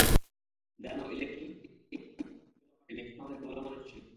জানো, ইলেকট্রিক ইলভর্তি পুলে পড়ে যাওয়ার আগে ম্যাক্স না অনেক ভালো মানুষ ছিল।